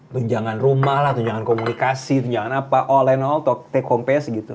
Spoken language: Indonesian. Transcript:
tunjangan rumah lah tunjangan komunikasi tunjangan apa all and all take home pay nya segitu